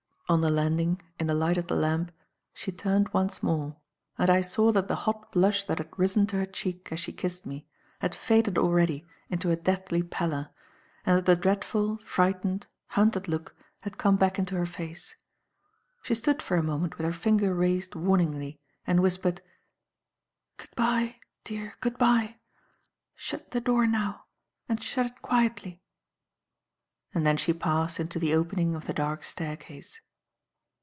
On the landing, in the light of the lamp, she turned once more; and I saw that the hot blush that had risen to her cheek as she kissed me, had faded already into a deathly pallor, and that the dreadful, frightened, hunted look had come back into her face. She stood for a moment with her finger raised warningly and whispered: "Good bye, dear, good bye! Shut the door now and shut it quietly," and then she passed into the opening of the dark staircase.